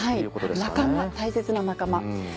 仲間大切な仲間。